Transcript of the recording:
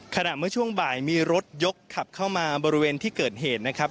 เมื่อช่วงบ่ายมีรถยกขับเข้ามาบริเวณที่เกิดเหตุนะครับ